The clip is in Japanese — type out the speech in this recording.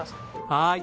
はい。